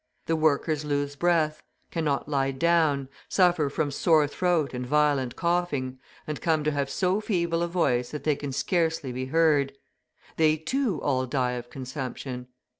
The workers lose breath, cannot lie down, suffer from sore throat and violent coughing, and come to have so feeble a voice that they can scarcely be heard. They, too, all die of consumption.